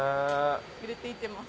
入れて行ってます。